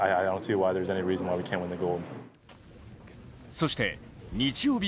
そして日曜日